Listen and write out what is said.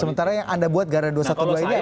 sementara yang anda buat gara dua ratus dua belas ini